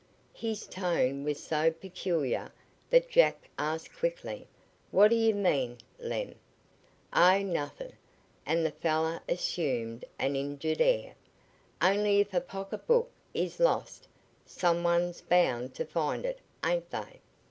His tone was so peculiar that Jack asked quickly: "What do you mean, Lem?" "Oh, nothin'," and the fellow assumed an injured air. "Only if a pocketbook is lost, some one's bound to find it, ain't they?"